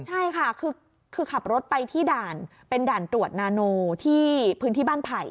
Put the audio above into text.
ใช่ค่ะคือขับรถไปที่ด่านเป็นด่านตรวจนาโนที่พื้นที่บ้านไผ่